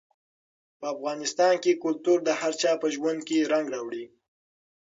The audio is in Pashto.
په افغانستان کې کلتور د هر چا په ژوند کې رنګ راوړي.